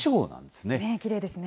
きれいですね。